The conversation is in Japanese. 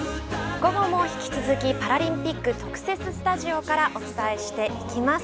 午後も引き続きパラリンピック特設スタジオからお伝えしていきます。